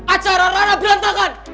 acara rara berantakan